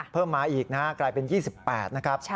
เพิ่มมาอีกนะครับกลายเป็น๒๘นะครับ